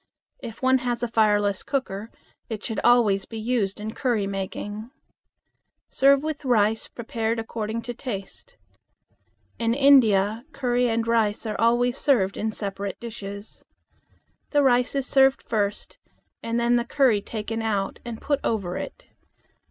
If one has a fireless cooker, it should always be used in curry making. Serve with rice prepared according to taste. In India, curry and rice are always served in separate dishes. The rice is served first and the curry taken out and put over it.